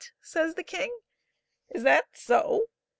says the king, "is that so?